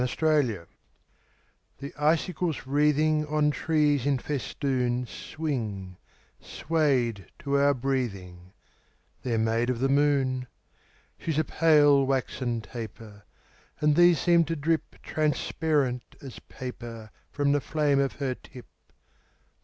SILVER FILIGREE The icicles wreathing On trees in festoon Swing, swayed to our breathing: They're made of the moon. She's a pale, waxen taper; And these seem to drip Transparent as paper From the flame of her tip.